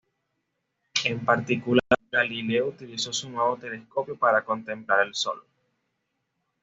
En particular, Galileo utilizó su nuevo telescopio para contemplar el sol.